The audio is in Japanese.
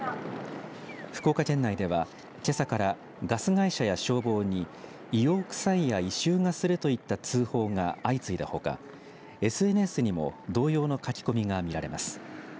福岡県内では、けさからガス会社や消防に硫黄臭いや異臭がするといった通報が相次いだほかＳＮＳにも同様の書き込みが見られます。